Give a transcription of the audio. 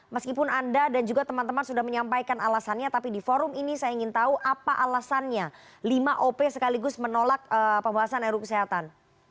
meskipun anda dan juga teman teman sudah menyampaikan alasannya tapi di forum ini saya ingin tahu apa alasannya lima op sekaligus menolak pembahasan ruu kesehatan